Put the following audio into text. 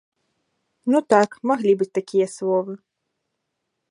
Ну так, маглі быць такія словы.